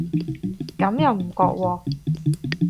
咁又唔覺喎